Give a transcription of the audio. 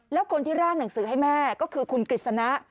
แล้วคนที่ร่างหนังสือให้แม่ก็คือคุณกฤษณะ